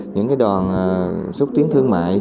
những cái đoàn xúc tuyến thương mại